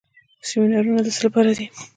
سیمینارونه د څه لپاره دي؟